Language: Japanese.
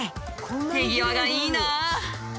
手際がいいなあ。